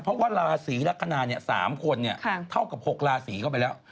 เพราะว่าราศีลักษณะ๓คนเท่ากับ๖ราศีเข้าไปแล้ว